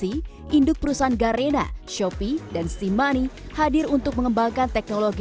induk perusahaan garena shopee dan simani hadir untuk mengembangkan teknologi